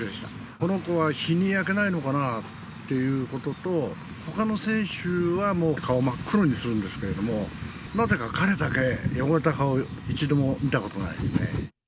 この子は日に焼けないのかなっていうことと、ほかの選手はもう顔真っ黒にするんですけれども、なぜか彼だけ、汚れた顔、一度も見たことないです。